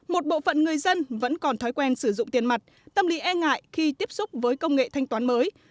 một bộ phận người dân vẫn còn thói quen sử dụng tiền mặt tâm lý e ngại khi tiếp xúc với công nghệ thanh toán mới